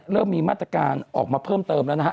เริ่มมีมาตรการออกมาเพิ่มเติมแล้วนะฮะ